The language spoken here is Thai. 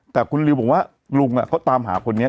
แต่คุณลิวบอกว่าลุงเนี้ยเขาตามหาคนเนี้ย